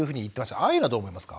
ああいうのはどう思いますか？